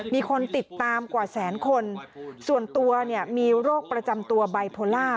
มีคนติดตามกว่าแสนคนส่วนตัวเนี่ยมีโรคประจำตัวไบโพล่า